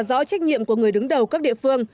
rõ trách nhiệm của người đứng đầu các địa phương